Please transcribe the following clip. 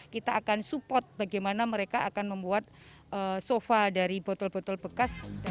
kita akan support bagaimana mereka akan membuat sofa dari botol botol bekas